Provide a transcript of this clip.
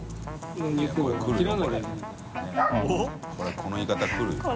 海この言い方来るよ。